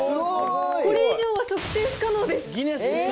これ以上は測定不可能です。